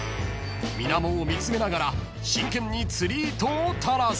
［水面を見つめながら真剣に釣り糸を垂らす］